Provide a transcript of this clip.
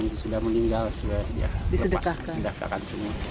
dia meninggal dia sudah disedekahkan